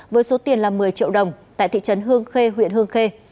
với số tiền là một mươi triệu đồng tại thị trấn hương khê huyện hương khê